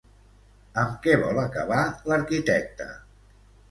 Amb què vol acabar l'arquitecte?